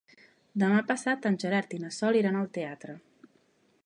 Demà passat en Gerard i na Sol iran al teatre.